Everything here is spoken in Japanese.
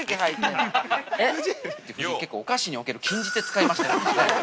◆夫人、結構お菓子における禁じ手、使いましたよね。